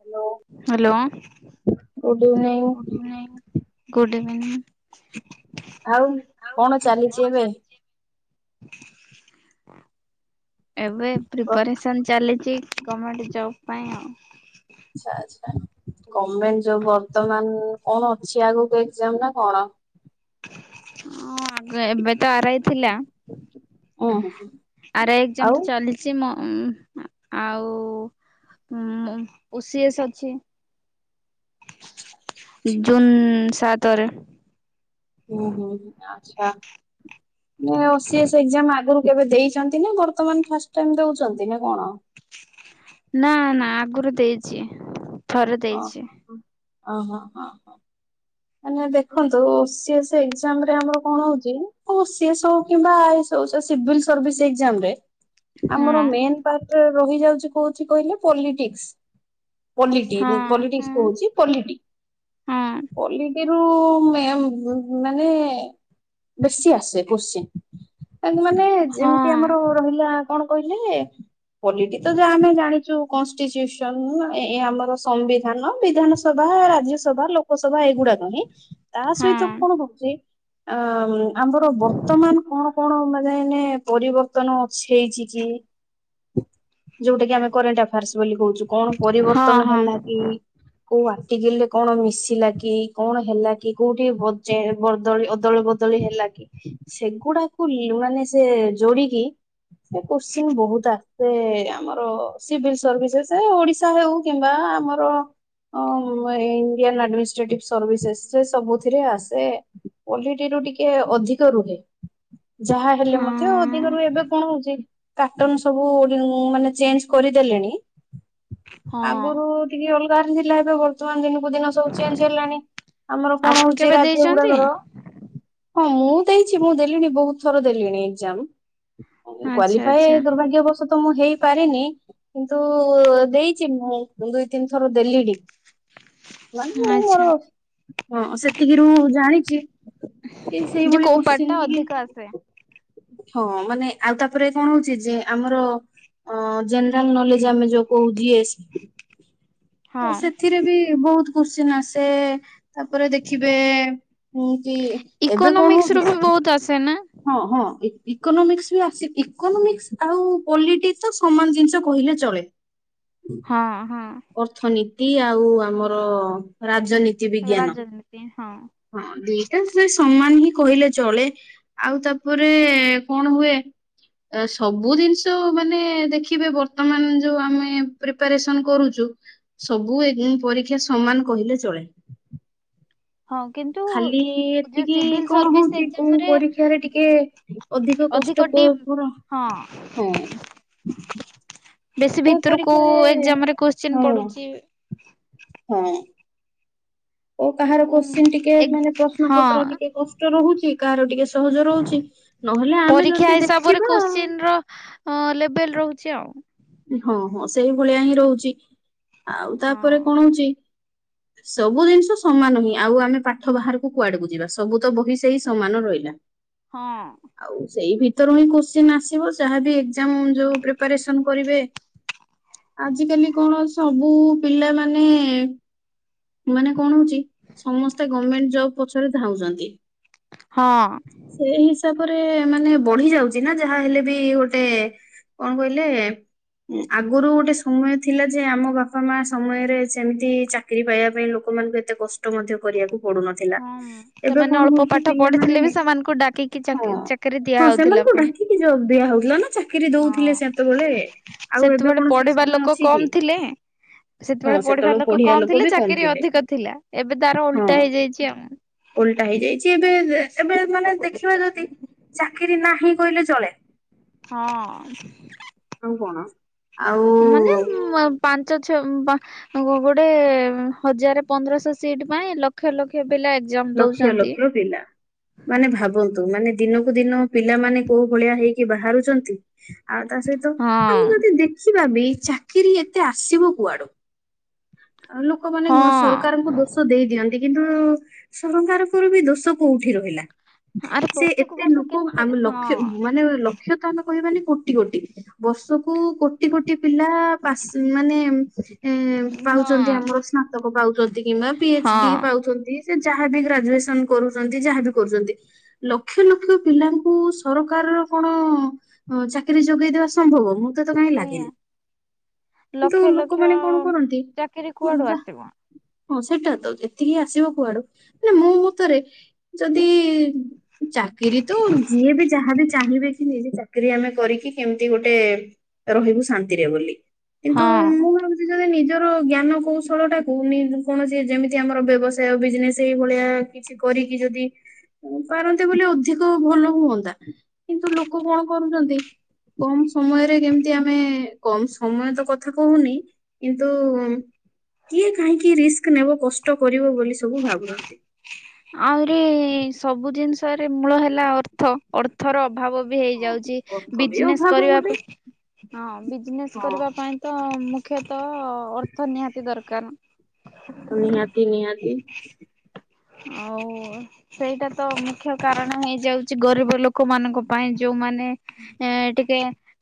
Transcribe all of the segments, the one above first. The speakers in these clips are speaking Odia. ହ୍ୟାଲୋ ହାଲୋ ଗୁଡ୍ ଇଭିନିଂ [unintelligible] [unintelligible] ଆଉ କଣ ଚାଲିଛି ଏବେ? [inaudible] ଏବେ ପ୍ରିପାରେସନ ଚାଲିଛି। ଗମେଣ୍ଟ ଜବ ପାଇଁ ଆଉ। ଆଚ୍ଛା ଆଚ୍ଛା ଗଭମେଣ୍ଟ ଜବ ବର୍ତ୍ତମାନ କଣ ଅଛି ଆଗକୁ ଏକ୍ସାମ ନା କଣ? ହଁ ଆଗ ଏବେ ତ ଆରାଇ ଥିଲା ହୁଁ ହୁଁ [inaudible] ଆରାଇ ଏକ୍ସାମ୍ ଆଉ ତ ଚାଲିଛି ମୋ ଉ ଆଉ ଉ ଓ ସି ଏସ୍ ଅଛି। ଜୁନ୍ ସାତରେ। ହୁଁ ହୁଁ ଆଚ୍ଛା। ଓ ସି ଏସ୍ ଏକ୍ସାମ୍ ଆଗରୁ କେବେ ଦେଇଛନ୍ତି ନା ବର୍ତ୍ତମାନ ଫାଷ୍ଟ ଟାଇମ ଦଉଛନ୍ତି ନା କଣ? ନା ନା ଆଗରୁ ଦେଇଛି। ଥରେ ଓ ଦେଇଛି ହୋ। ଓହୋ ହଁ ହଁ। ମାନେ ଦେଖନ୍ତୁ ସେ ସେ ଏକ୍ସାମ ରେ ଆମର କଣ ହଉଛି। ଓ ସି ଏସ ହେଉ କିମ୍ବା ଆଇ ଏସ ହେଉ ସେ ସିଭିଲ ସର୍ଭିସ୍ ଏକ୍ସାମ୍ ରେ ଆମର ମେନ୍ ପାର୍ଟ ରହିଯାଉଛି କହୁଛି କହିଲେ ପଲିଟିକ୍ସ। ପଲିଟି ହଁ ହଁ ପଲିଟିକ୍ସ କହୁଛି ପଲିଟି। ହଁ ପଲିଟିରୁ ମେ ମାନେ ବେଶୀ ଆସେ କୋଶ୍ଚିନ୍। ଏ ମାନେ ହଁ ଯେମିତି ଆମର ରହିଲା କଣ କହିଲେ ପଲିଟି ତ ଯାହା ଆମେ ଜାଣିଛୁ କନଷ୍ଟିଚ୍ୟୁସନ୍ ଏ ଆମର ସମ୍ବିଧାନ ବିଧାନସଭା ରାଜ୍ୟସଭା ଲୋ ଲୋକସଭା ଏଇଗୁଡାକ ହିଁ ତା ହଁ ସହିତ କଣ ହଉଛି ଆ ଆମର ବର୍ତ୍ତମାନ କଣ କଣ ମାନେ ପରିବର୍ତ୍ତନ ଅ ହେଇଛି କି ଯୋଉଟା କି ଆମେ କରେଣ୍ଟ ଆଫେୟାର୍ସ ବୋଲି କହୁଛୁ। କଣ ହଁ ପରିବର୍ତ୍ତନ ହଁ ହଁ ହେଲା କି? କୋଉ ଆଟିକିଲ୍ ରେ କଣ ମିଶି ମିଶିଲାକି କଣ ହେଲା କି କୋଉଠି ବଦଳି ଅଦଳି ବଦଳି ହେଲା କି ସେଗୁଡାକୁ ମାନେ ସେ ଯୋଡିକି କୋଶ୍ଚିନ୍ ବହୁତ ଆ ସେ ଆମର ସିଭିଲ୍ ସର୍ଭିସେସ୍ ଓଡିଶା ହଉ କିମ୍ବା ଆମର ଇଣ୍ଡିଆନ୍ ଆଡମି ଷ୍ଟେଟିଭ୍ ସର୍ଭିସେସ୍ ସେ ସବୁଥିରେ ଆସେ ପଲିଟି ରୁ ଟିକେ ଅଧିକ ରୁହେ। ଯାହା ହେଲେ ହଁ ମଧ୍ୟ ଦିଗରୁ ଏବେ କଣ ହଉଛି ପାଟର୍ନ ସବୁ ମାନେ ଚେଞ୍ଜ କରିଦେଲେଣି। ହଁ ଆଗରୁ ଟିକେ ଅଲ ଥିଲା ଏବେ ଦିନକୁ ଦିନ ସବୁ ଚେଞ୍ଜ ହେଲାଣି ଆମର କଣ ଆପଣ ହଉଛି କେବେ ରାଜ୍ୟ ଦେଇଛନ୍ତି ଗୁଡାକର। ହଁ ମୁଁ ଦେଇଛି ମୁଁ ଦେଲିଣି ବହୁତ ଥର ଦେଲିଣି ଏଜାମ। ଆଚ୍ଛା କ୍ଵାଲିଫାଏ ଆଚ୍ଛା ଦୁର୍ଭାଗ୍ୟବସତ ତ ମୁଁ ହେଇପାରିନି କିନ୍ତୁ ଦେଇଛି ମୁଁ ଦୁଇ ତିନି ଥର ଦେଲିଣି। [inaudible] [inaudible] ମୁଁ ଆଚ୍ଛା ମୋର ହଁ ସେତିକିରୁ ଜାଣି [unintelligible] ଯେ କୋଉପାର୍ଟ ଟା ଅଧିକ ଆସେ? ହଁ ମାନେ ଆଉ ତାପରେ କଣ ହଉଛି ଯେ ଆମର ଜେନେରାଲ ନଲେଜ ଆମେ ଯୋଉ [unintelligible] ହଁ ସେଥିରେ ବି ବହୁତ। କ୍ୱେଷ୍ଟନ ଆସେ। ତାପରେ ଦେଖିବେ କି ଏବେ କଣ ଇକୋନୋମିକ୍ସ ରୁ ହଉଛି? ବି ବହୁତ ଆସେ ନା ହଁ ହଁ ଇକୋନୋମିକ୍ସ ବି ଆସ ଇକୋନୋମିକ୍ସ ଆଉ ପଲିଟିକ୍ସ ସମାନ ଜିନିଷ କହିଲେ ଚଳେ। ହଁ ହଁ [inaudible] ଅର୍ଥନୀତି ଆ ଆଉ ଆମର ରାଜ ନୀତି ବିଜ୍ଞାନ। ରାଜନୀତି ହଁ। ହଁ ଦିଟା ସେ ସମାନ ହିଁ କହିଲେ ଚଳେ ଆଉ ତାପରେ କଣ ହୁଏ ସବୁ ଜିନିଷ ମାନେ ଦେଖିବେ ବର୍ତ୍ତମାନ ଯୋଉ ଆମେ ପ୍ରିପାରେସନ କରୁଛୁ ସବୁ ପରୀକ୍ଷା ସମାନ କହିଲେ ଚଳେ। ହଁ କିନ୍ତୁ ଖାଲି ଏତିକି ସିଭିଲ କଣ ସର୍ଭିସ ହଉଛି କୋଉ ଏକ୍ସାମ୍ ରେ ପରୀକ୍ଷାରେ ଟିକେ [inaudible] କଷ୍ଟ ଅଧିକ କୋ- ଡିପ୍ କୋର- ହଁ ହଁ ବେଶୀ କୋଉ ଭିତରକୁ ପରୀକ୍ଷାରେ ଏକ୍ସାମ୍ ରେ [unintelligible] ହଁ ପଡ଼ୁଛି। ହଁ। ଓ କାହାର କୋଶ୍ଚିିନ୍ ଟିକେ ମାନେ ପ୍ରଶ୍ନ ହଁ ପତ୍ର ଟିକେ କଷ୍ଟ ରହୁଛି କାହାର ଟିକେ ସହଜ ରହୁଛି ନହେଲେ ଆମେ ପରୀକ୍ଷା ଯଦି ହିସାବରେ ଦେଖିବା। କୋଶ୍ଚିନ୍ ର ହଁ [inaudible] ହଁ ହଁ ସେଇ ଭଳିଆ ହିଁ ରହୁଛି। ଆଉ ତାପରେ ହଁ କଣ ହଉଛି ସବୁ ଜିନିଷ ସମାନ ହିଁ ଆଉ ଆମେ ପାଠ ବାହାରକୁ କୁଆଡେକୁ ଯିବା ସବୁ ତ ବହି ସେହି ସମାନ ରହିଲା। ହଁ ଆଉ ସେଇ ଭି ଭିତରୁ ହିଁ କ୍ୱେଶ୍ଚିନ ଆସିବ ଯାହାବି [inaudible] ଯୋଉ ପ୍ରିପାରେସନ୍ କରିବେ। ଆଜି କାଲି କଣ ଅ ସବୁ ପିଲାମାନେ ମାନେ କଣ ହଉଛି ସମସ୍ତେ ଗଭମେଣ୍ଟ୍ ଜବ ପଛରେ ଧାଉଛନ୍ତି। ହଁ ସେଇ ହିସାବରେ ମାନେ ବଢି ଯାଉଛି ନା ଯାହା ହେଲେ ବି ଗୋଟେ କଣ କହିଲେ ଆଗରୁ ଗୋଟେ ସମୟ ଥିଲା ଯେ ଆମ ବାପା ମା ସମୟରେ ସେମିତି ଚାକିରି ପାଇବା ପାଇଁ ଲୋକମାନଙ୍କୁ ଏତେ କଷ୍ଟ ମଧ୍ୟ କରିବାକୁ ପଡୁନଥିଲା। ହଁ ଏବେ ସେମାନେ କଣ ଅଳ୍ପ ହଉଛି ପାଠ ପିଲାମାନେ ପଢିଥିଲେ ବି ସେମାନଙ୍କୁ ଡାକିକି ହଁ ଚାକିରି ହଁ ଦିଆହଉଥିଲା ସେମାନଙ୍କୁ ପୁଣି ଡାକିକି ଜ ଦିଆ ହଉଛି। ଥିଲା ନା ଚାକିରି ହଁ ଦଉଥିଲେ ସେତେବେଳେ ଆଉ ଏବେ ସେତେବେଳେ କଣ ସେ ପଢିବା ସମୟ ଲୋକ ଅଛି କି। କମ ଥିଲେ। ହଁ ସେତେବେଳେ ପଢିବା ସେତେବେଳକୁ ପଢଆ କମ ଲୋକ ଥିଲେ ବି କମ ଚାକିରି ଥିଲେ ଅଧିକ ଥିଲା ଏବେ ତାର ହଁ ଓଲଟା ହେଇଯାଇଛି। ଓଲଟା ହେଇଯାଇଛି ଏବେ ଏବେ ମାନେ ଦେଖିବା ଯଦି ଚାକିରି ନାହିଁ କହିଲେ ଚଳେ। ହଁ। ପଣ ମାନେ ଆଉ ପାଞ୍ଚ ଛ ଗୋଟେ ହଜାର ପନ୍ଦରଶହ ସିଟ୍ ପାଇଁ ଲକ୍ଷ ଲକ୍ଷ ପିଲା ଏକ୍ଜାମ ଲକ୍ଷ ଦଉଛନ୍ତି। ଲକ୍ଷ ପିଲା ମାନେ ଭାବନ୍ତୁ ମାନେ ଦିନକୁ ଦିନ ପିଲାମାନେ କୋଉ ଭଳିଆ ହେଇକି ବାହାରୁଛନ୍ତି। ଆଉ ତା ସହିତ ଆମେ ହଁ ଯଦି ଦେଖିବା ଚାକିରି ଏତେ ଆସିବ କୁଆଡୁ। ଆଉ ଲୋକମାନେ ହଁ ସରକାରଙ୍କୁ ଦୋଷ ଦେଇ ଦିଅନ୍ତି। କିନ୍ତୁ ସରକାରଙ୍କ ବି ଦୋଷ କୋଉଠି ରହିଲା। ଆରେ ସେ ବର୍ଷକୁ ଏତେ ବର୍ଷ ଲୋକ କେତେ ଆମେ ଲକ୍ଷ ହଁ ମାନେ ଲକ୍ଷତା ଲ କହିବାନି କୋଟି କୋଟି ବର୍ଷ କୁ କୋଟି କୋଟି ପିଲା ମାନେ [inaudible] ଏ ପାଉଛନ୍ତି ହଁ ଆମର ସ୍ନାତକ ପାଉଛନ୍ତି କିମ୍ବା ପି ଏଚ ଡି ହଁ ପାଉଛନ୍ତି। ସେ ଯାହାବ ଗ୍ରାଜୁଏସନ କରୁଛନ୍ତି ଯାହାବି କରୁଛନ୍ତି ଲକ୍ଷ ଲକ୍ଷ ପିଲାଙ୍କୁ ସରକାରର କଣ ଚାକିରୀ ଯୋଗେଇଦବା ସମ୍ଭବ ।ମୁଁ ତ ତ କାହିଁ ଲାଗେନି ସେଇଆ ।କିନ୍ତୁ ଲକ୍ଷ ଲକ୍ଷ ଲୋକମାନେ କଣ କରନ୍ତି ଚାକିରି କୁଆଡୁ ଯ ଆସିବ ହଁ ସେଟା ତ ଯେତିକି ଆସିବ କୁଆଡୁ ମାନେ ମୁଁ ମତରେ ଯଦି ଚାକିରି ତ ଯିଏ ବି ଯାହାବି ଚାହିଁବେ କି ନିଜେ ଚାକିରରି ଆମେ କରିକି କେମିତି ଗୋଟେ ରହିବୁ ଶାନ୍ତିରେ ବୋଲି। କିନ୍ତୁ ହଁ। ମୁଁ ଭାବୁଛି ଯଦି ନି ନିଜର ଜ୍ଞାନ କୌଶଳ ଟାକୁ କୌଣସି ଯେମିତି ଆମର ବ୍ୟବସାୟ ବିଜନେସ୍ ସେଇ ଭଳିଆ କିଛି କରିକି ଯଦି ପାରନ୍ତେ ବୋଲି ଅଧିକ ଭଲ ହୁଅନ୍ତା କିନ୍ତୁ ଲୋକ କଣ କରୁଛନ୍ତି କମ ସମୟରେ କେମିତି ଆମେ କମ ସମୟ ତ କଥା କହୁନି କିନ୍ତୁ କିଏ କାହିଁକି ରିସ୍କ ନେବ କଷ୍ଟ କରିବ ବୋଲି ସବୁ ଭାବୁଛନ୍ତି। [inaudible] ଆହୁରି ସବୁ ଜିନିଷରେ ମୂଳ ହେଲା ଅର୍ଥ ଅର୍ଥର ଅଭାବ ବି ହଁ ହେଇଯାଉଛି କଷ୍ଟ ବି ଅଭାବ କରିବା ଗୋଟେ ହଁ ହଁ। କରିବା ପାଇଁ ତ ତ ଅର୍ଥ ନିହାତି ଦରକାର। ନିହାତି ନିହାତି। ଆଉ ସେଇଟା ତ ମୁଖ୍ୟ କାରଣ ହେଇଯାଉଛି ଗରିବ ଲୋକ ମାନଙ୍କ ପାଇଁ ଯୋଉମାନେ ନେ ଏ ଟିକେ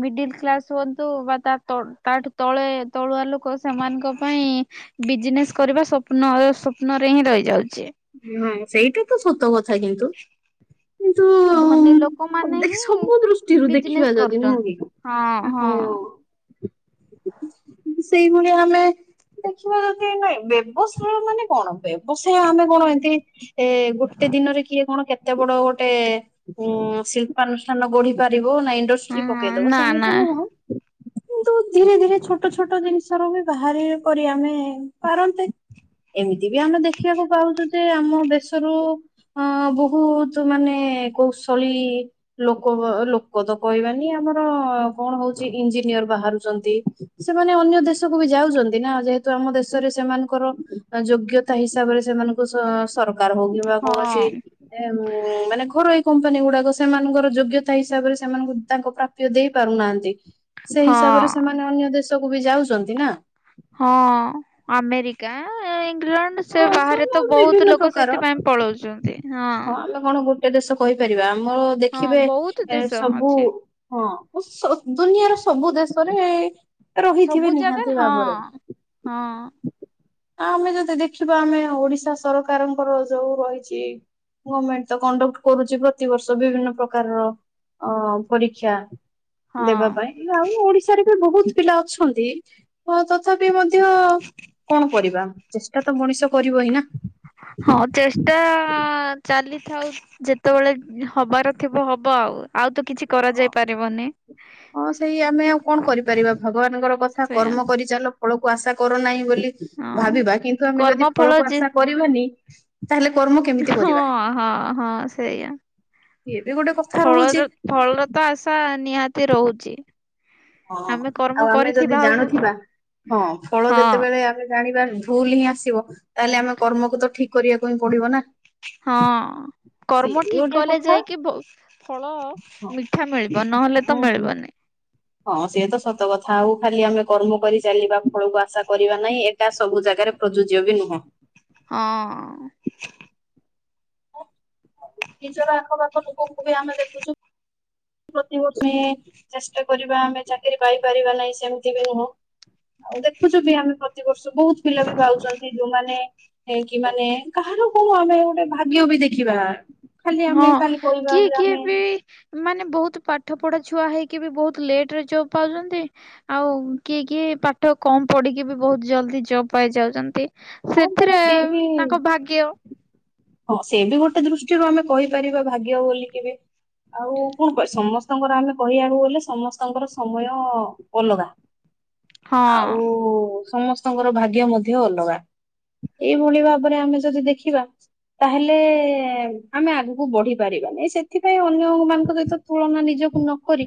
ମିଡିଲ କ୍ଲାସ ହୁଅନ୍ତୁ ବା ତା ତାଠୁ ତଳେ ତଳୁଆ ଲୋକ ସେମାନଙ୍କ ପାଇଁ ବିଜନେସ୍ କରିବା ସ୍ୱପ୍ନ ସ୍ୱପ୍ନ ରେ ହିଁ ରହିଯାଉଛି। ହୁଁ ସେଇଟା ତ ସତ କଥା। କଥା କିନ୍ତୁ କିନ୍ତୁ ଧନୀ ଲୋକମାନେ ହିଁ ସବୁ ଦୃଷ୍ଟିରୁ ଦେଖିବା ବିଜନେସ୍ ଯଦି ନୁହଁ କି? କରୁଛନ୍ତି ହଁ ହଁ। ସେଇଭଳିଆ ହେଲେ ଆମେ ଦେଖିବା ଯଦି ନ ବ୍ୟବସାୟ ମାନେ କଣ ବ୍ୟବସାୟ ଆମେ କଣ ଏମିତି ଏ ଗୋଟେ ଦିନରେ କିଏ କଣ କେତେ ବଡ ଗୋଟେ ଉ ଶିଳ୍ପାନୁଷ୍ଠାନ ଗଢି ପାରିବ? ନା ଇଣ୍ଡଷ୍ଟି ହଁ ପକେଇଦବ ନା ସେମିତି ନା। ନୁହଁ। ତ ଧୀରେ ଧୀରେ ଛୋଟ ଛୋଟ ଜିନିଷରୁ ହିଁ ବାହାରେ କରି ଆମେ ପାରନ୍ତେ ଏମିତି ବି ଆମେ ଦେଖିବାକୁ ପାଉଛୁ ଯେ ଆମ ଦେଶରୁ ଅ ବହୁତ ମାନେ କୌଶଳୀ ଲୋକ ଲୋକ ତ କହିବାନି ଆମର କଣ ହଉଛି ଇଞ୍ଜିନିୟର ବାହାରୁଛି। ଚନ୍ତି ସେମାନେ ଅନ୍ୟ ଦେଶକୁ ବି ଯାଉଛନ୍ତି ନା ଯେହେତୁ ଆମ ଦେଶରେ ସେମାନଙ୍କର ଯୋଗ୍ୟତା ହିସାବରେ ସେମାନଙ୍କୁ ସରକାର ଦରକାର ହଉ କିମ୍ବା କୌଣସି ହଁ। ମାନେ ଘରୋଇ କମ୍ପାନୀ ଗୁଡାକ ସେମାନଙ୍କର ଯୋଗ୍ୟତା ହିସାବରେ ସେମାନଙ୍କୁ ତାଙ୍କ ପ୍ରାପ୍ୟ ଦେଇ ପାରୁନାହାନ୍ତି। ସେଇ ହିସାବରେ ହଁ ସେମାନେ ଅନ୍ୟ ଦେଶ କୁ ବି ଯାଉଛନ୍ତି ନା। ହଁ ଆମେରିକା ନିଉଜଲ୍ୟାଣ୍ଡ ସେ ହଁ ବାହାରେ ସବୁ ତ ବହୁତ ବିଭିନ୍ନ ଲୋକ ପ୍ରକାର ସେଥିପାଇଁ ପଳଉଛନ୍ତି ହଁ। ଟେ ଦେଶ କହିପାରିବା? ଆମର ହଁ ଦେଖିବେ ବହୁତ ଦେଶ ସବୁ ଅଛି। ହଁ। ଦୁନିଆର ସବୁ ଦେଶରେ ରହିଥିବେ ସବୁ ନିହାତି ଜାଗାରେ ହଁ ଭାବରେ। ହଁ ହଁ ଆମେ ଯଦି ଦେଖି ଦେଖିବା ଆମେ ଓଡିଶା ସରକାରଙ୍କର ଯୋଉ ରହିଛି ଗମେଣ୍ଟ ତ କଣ୍ଡକ୍ଟ କରୁଛି ପ୍ରତିବର୍ଷ ବିଭିନ୍ନ ପ୍ରକାରର ଅ ପରୀକ୍ଷା ଦେବା ହଁ। ପାଇଁ ଆଉ ଓଡିଶାରେ ଏମିତି ବହୁତ ପିଲା ଅଛନ୍ତି। ତଥାପି ମଧ୍ୟ କଣ କରିବା ଚେଷ୍ଟା ଷ୍ଟା ତ ମଣିଷ କରିବ ହିଁ ନା। ହଁ ଚେଷ୍ଟା ଚାଲିଥାଉ ଯେତେବେଳେ ହବାର ଥିବ ହବ ଆଉ। ଆଉ ତ କିଛି କରାଯାଇ ପାରିବନି। ହଁ ସେଇ ଆମେ ଆଉ କଣ କରିପାରିବା ଭଗବାନଙ୍କର କଥା ସେଇଆ କର୍ମ କରିଚାଲ ଫଳକୁ ଆଶା କର ନାହିଁ ବୋଲି ହଁ। ଭାବିବା କିନ୍ତୁ ଆମେ କର୍ମ ଯଦି ଫଳ ଫଳକୁ ଯେ ଆଶା କରିବାନି [unintelligible] କର୍ମ କେମିତି ହଁ କରିବା ହଁ ହଁ ସେଇଆ। ଇଏ ବି ଗୋଟେ କଥା ରହୁଛି ଫଳର ଫଳର ତ ଆଶା ନିହାତି ରହୁଛି। ହଁ ଆମେ ଆଉ କର୍ମ ଆମେ ଯଦି କରିଥିବା ଆଉ ଜାଣୁଥିବା ହଁ ଫଳ ହଁ ଯେତେବେଳେ ଆମେ ଜାଣିବା ଭୁଲ ହିଁ ଆସିବ ତାହେଲେ ଆମେ କର୍ମକୁ ତ ଠିକ କରିବାକୁ ହିଁ ପଡିବ ନା । ହଁ କର୍ମ ଠିକ ଗୋଟେ କଲେ କଥା ଯାଇକି ବହୁତ ଫଳ ମିଠା ମିଳିବ ନହେଲେ ତ ହଁ ମିଳିବନି। ହଁ ସେ ତ ସତ କଥା ଆଉ ଖାଲି ଆମେ କର୍ମ କରି ଚାଲିବା ଫଳକୁ ଆଶା କରିବା ନାହିଁ ଏଟା ସବୁ ଜାଗାରେ ପ୍ରଯୁଜ୍ୟ ବି ନୁହଁ। ହଁ। [unintelligible] ନିଜର ଆଖପାଖ ଲୋକ ମୁଁ କହିବି ଆମେ ଦେଖୁଚୁ ପ୍ରତିିବର୍ଷ ହିଁ ଚେଷ୍ଟା କରିବା ଆମେ ଚାକିରି ପାଇପାରିବା ନାହିଁ ସେମିତି ବି ନୁହଁ। ଆଉ ଦେଖୁଛୁ ବି ଆମେ ପ୍ରତିବର୍ଷ ବହୁତ ପିଲା ବି ଭାବୁଛନ୍ତି ଯୋଉମାନେ ହେଇକି ମାନେ କାହାର କଣ ଆମେ ଗୋଟେ ଭାଗ୍ୟ ବି ଦେଖିବା ଖାଲି ହଁ ଆମେ ଖାଲି କହିବା କିଏ ଯେ କିଏ ଆମେ ବି ମାନେ ବହୁତ ପାଠ ପଢ଼ା ଛୁଆ ହେଇକି ବି ବହୁତ ଲେଟ୍ ରେ ଜବ୍ ପାଉଛନ୍ତି ଆଉ କିଏ କିଏ ପାଠ କମ୍ ପଢ଼ିକି ବି ବହୁତ ଜଲ୍ଦି ଜବ୍ ପାଇଯାଉଛନ୍ତି । ହଁ ପରା ସେଥିରେ ସିଏ ବି ତାଙ୍କ ଭାଗ୍ୟ ହଁ ସେ ବି ଗୋଟେ ଦୃଷ୍ଟିରୁ ଆମେ କହିପାରିବା ଭାଗ୍ୟ ବୋଲି କେବେ ଆଉ କଣ କହ ସମସ୍ତଙ୍କର ଆମେ କହିବାକୁ ଗଲେ ସମସ୍ତଙ୍କର ସମୟ ଅଲଗା । ହଁ ଆଉ ସମସ୍ତ ଙ୍କର ଭାଗ୍ୟ ମଧ୍ୟ ଅଲଗା ଏଇଭଳି ଭାବରେ ଆମେ ଯଦି ଦେଖିବା ତାହେଲେ ଆମେ ଆଗକୁ ବଢି ପାରିବାନି ।ସେଥିପାଇଁ ଅନ୍ୟ ମାନଙ୍କ ସହିତ ତୁଳନା ନିଜକୁ ନକରି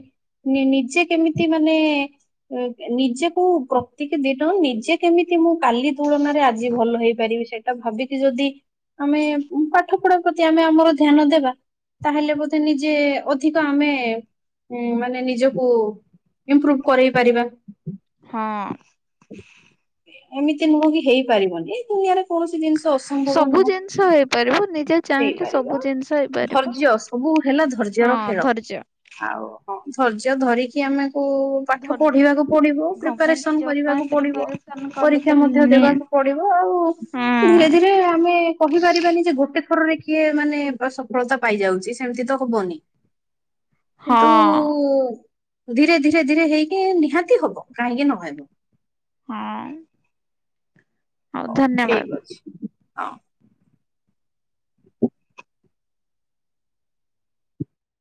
ନିଜେ କେମିତି ମାନେ ନିଜେକୁ ପ୍ରତ୍ୟେକ ଦିନ ନିଜେ କେମିତି ମୁଁ କାଲି ତୁଳନାରେ ଆଜି ଭଲ ହେଇପାରିବି ସେଠା ଏଟା ଭାବିକି ଯଦି ଆମେ ପାଠ ପଢା ପ୍ରତି ଆମେ ଆମର ଧ୍ୟାନ ଦେବା ତାହେଲେ ବୋଧେ ନିଜେ ଅଧିକ ଆମେ ମାନେ ନିଜକୁ ଇମ୍ପ୍ରୁଭ୍ କରେଇ ପାରିବା। ହଁ। ଏମିତି ନୁହଁ କି ହେଇ ପାରିବନି ଦୁନିଆରେ। କୌଣସି ଜିନିଷ ଅସମ୍ଭବ ସବୁ ନୁହଁ ଜିନିଷ ହେଇପାରିବ ନିଜେ ସେଇ ଚାହିଁଲେ ପାରିବ ସବୁ ଜିନିଷ ହେଇପାରିବ। ଧୈର୍ଯ୍ୟ ସବୁ ହେଲା ହଁ ଧୈର୍ଯ୍ୟର ଖେଳ ଧୈର୍ଯ୍ୟ। ଆଉ ହଁ। ଧୈର୍ଯ୍ୟ ଧରିକି ଆମେ କୁ ପାଠ ଧର ପଢିବାକୁ ପଡିବ ଗମେଣ୍ଟ ପ୍ରିପାରେସନ୍ ଜବ୍ ପାଇଁ କରିବାକୁ ପଡ଼ିବ ପ୍ରିପାରେସନ କଲେ ପରୀକ୍ଷା ତ ମଧ୍ୟ ନି ଦେବାକୁ ପଡିବ ଆଉ ହଁ ଧୀରେ ଧୀରେ ଆମେ କହିପାରିବାନି ଯେ ଗୋଟେ ପେପରରେ କିଏ ମାନେ ସଫଳତା ପାଇଯାଉଛି ସେମତି ତ ହବନି। ହଁ କିନ୍ତୁ ଉ ଧୀରେ ଧୀରେ ଧୀରେ ହେଇକି ନିହାତି ହବ କାହିଁକି ନହେବ। ହଁ। ହଉ ଧନ୍ୟବାଦ। ଠିକ ଅଛି। [inaudible]